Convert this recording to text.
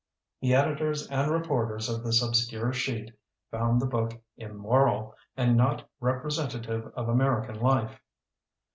The editors and reporters of this obscure sheet found the book inmioral and not representative of American life.